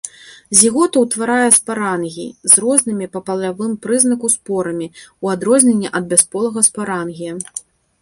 Зігота ўтварае спарангій з рознымі па палавым знаку спорамі ў адрозненне ад бясполага спарангія.